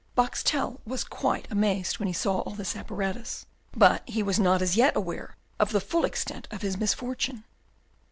Boxtel was quite amazed when he saw all this apparatus, but he was not as yet aware of the full extent of his misfortune.